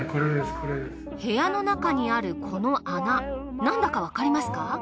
部屋の中にあるこの穴なんだかわかりますか？